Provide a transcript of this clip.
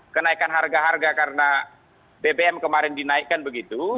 kenaikan harga harga karena bbm kemarin dinaikkan begitu